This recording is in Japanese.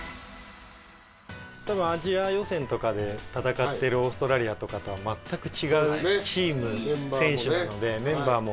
多分アジア予選とかで戦ってるオーストラリアとかとは全く違うチーム選手なのでメンバーも。